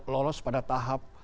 lolos pada tahap